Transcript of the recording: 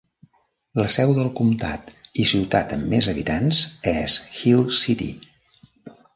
La seu del comtat i ciutat amb més habitants és Hill City.